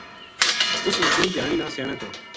اُس وکیل دھیانی نا سیانے تھو